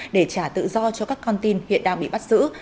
để trả tự do cho các con tin hiện đang bị bắt giữ